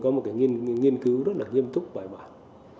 có một cái nghiên cứu rất là nghiêm túc bài bản